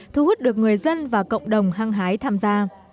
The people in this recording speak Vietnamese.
thu hút được người dân và cộng đồng hăng hái tham gia